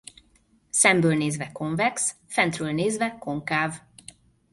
Szemből nézve konvex fentről nézve konkáv.